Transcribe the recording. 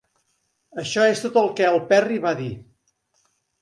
Això és tot el que el Perry va dir.